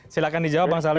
silahkan dijawab bang saleh